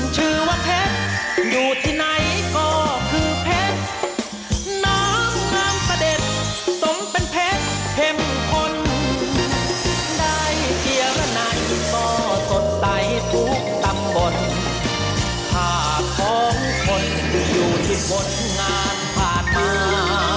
สุดท้ายทุกตำบลถ้าของคนอยู่ที่บนงานผ่านมา